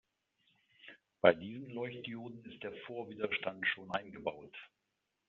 Bei diesen Leuchtdioden ist der Vorwiderstand schon eingebaut.